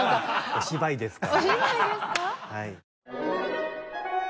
お芝居ですか？